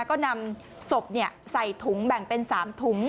ก็นำศพใส่ถุงแบ่งเป็น๓ถุง